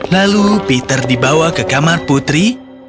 lalu peter dibawa ke kamar putri